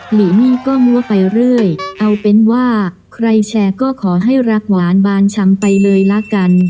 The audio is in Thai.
หลีนี่ก็มัวไปเรื่อยเอาเป็นว่าใครแชร์ก็ขอให้รักหวานบานชำไปเลยละกัน